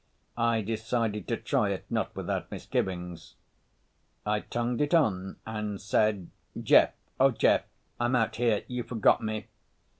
I decided to try it, not without misgivings. I tongued it on and said, "Jeff. Oh, Jeff. I'm out here. You forgot me."